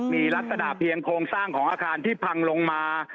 มีลักษณะเพียงโครงสร้างของอาคารที่พังลงมา